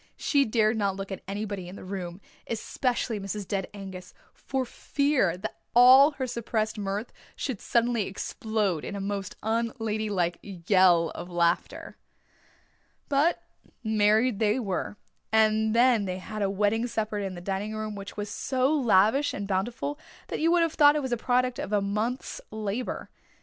She dared not look at anybody in the room, especially Mrs. Dead Angus, for fear all her suppressed mirth should suddenly explode in a most un young ladylike yell of laughter. But married they were, and then they had a wedding supper in the dining room which was so lavish and bountiful that you would have thought it was the product of a month's labour.